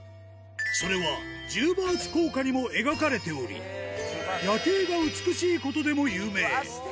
それは、１０バーツ硬貨にも描かれており、夜景が美しいことでも有名。